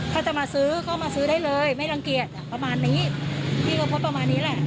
ถ้าจะมาซื้อก็มาซื้อได้เลยไม่รังเกียจประมาณนี้พี่ก็โพสต์ประมาณนี้แหละ